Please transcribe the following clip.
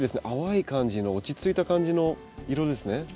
淡い感じの落ち着いた感じの色ですね。